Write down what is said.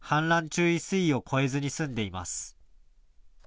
注意水位を超えずに済んでいます。